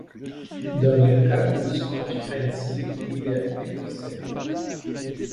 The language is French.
Dans le cas du scotch fancy, il est écossais.